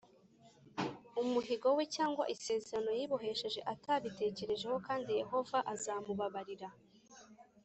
umuhigo we cyangwa isezerano yibohesheje atabitekerejeho kandi Yehova azamubabarira